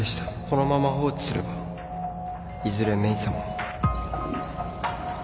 このまま放置すればいずれメイさまは。